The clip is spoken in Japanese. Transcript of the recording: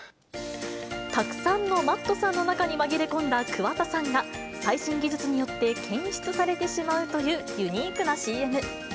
たくさんのＭａｔｔさんの中に紛れ込んだ桑田さんが、最新技術によって検出されてしまうというユニークなＣＭ。